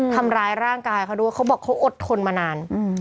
ทำร้ายร่างกายเขาด้วยเขาบอกเขาอดทนมานาน